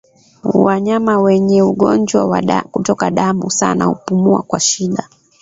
Wanyama wenye ugonjwa wa kutoka damu sana hupumua kwa shida